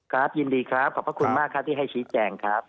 ครับยินดีครับขอบพระคุณมากครับที่ให้ชี้แจงครับ